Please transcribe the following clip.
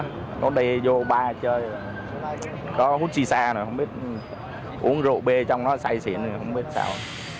có đi vô bar chơi có hút shisha uống rượu bê trong đó say xịn không biết sao